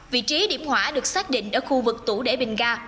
vị trí điểm hỏa được xác định ở khu vực tủ để bình ga